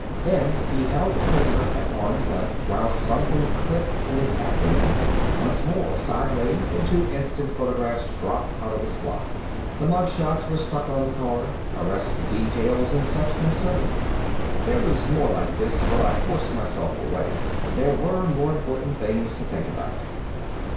Then he held the prisoner at arm's length while something clicked in his abdomen. Once more sideways and two instant photographs dropped out of a slot. The mug shots were stuck on the card, arrest details and such inserted. There was more like this, but I forced myself away. There were more important things to think about.